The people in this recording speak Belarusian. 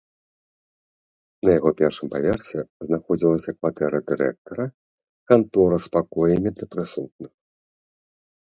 На яго першым паверсе знаходзілася кватэра дырэктара, кантора з пакоямі для прысутных.